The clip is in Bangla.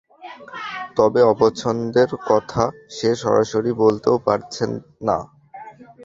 তবে অপছন্দের কথা সে সরাসরি বলতেও পারছে না।